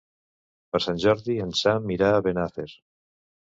Per Sant Jordi en Sam irà a Benafer.